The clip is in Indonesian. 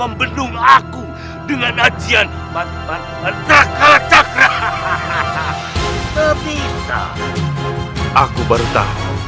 raden raden kamu dihukum mati